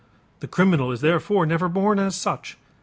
The criminal is therefore never born as such.